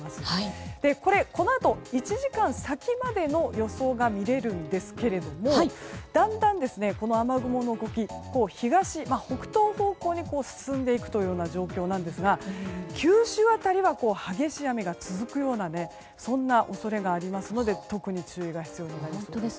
このあと１時間先までの予報が見れるんですがだんだん、この雨雲の動きが北東方向に進んでいく状況で九州辺りは激しい雨が続くような恐れがありますので特に注意が必要になります。